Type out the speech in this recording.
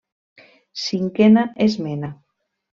Cinquena esmena.